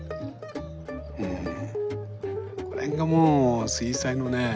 この辺がもう水彩のね